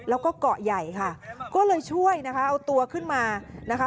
แล้วก็เกาะใหญ่ค่ะก็เลยช่วยนะคะเอาตัวขึ้นมานะคะ